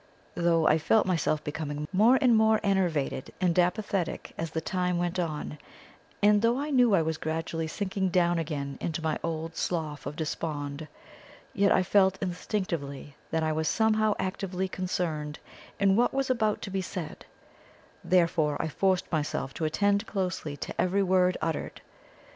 Though I felt myself becoming more and more enervated and apathetic as the time went on, and though I knew I was gradually sinking down again into my old Slough of Despond, yet I felt instinctively that I was somehow actively concerned in what was about to be said, therefore I forced myself to attend closely to every word uttered.